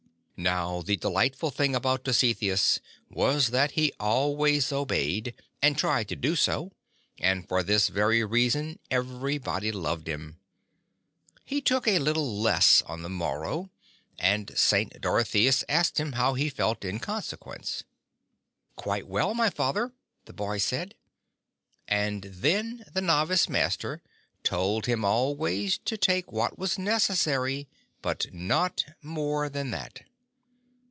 Now the delightful thing about Dositheus was that he always obeyed, or tried to do so, and for this very reason everybody loved him. He took a little less on the morrow, and St. Dorotheus asked him how he felt in consequence. 86 "Quite well, my Father,'' the boy said; and then the Novice Master told him always to take what was necessary, but not more than that.